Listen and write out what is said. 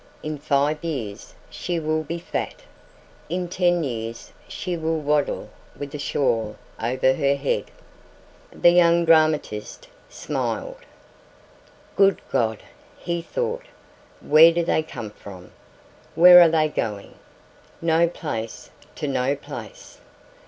In five years she will be fat. In ten years she will waddle with a shawl over her head." The young dramatist smiled. "Good God," he thought, "where do they come from? Where are they going? No place to no place.